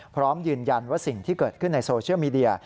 พร้อมยืนยันว่าสิ่งที่เกิดขึ้นในโซเชียลมีเดีย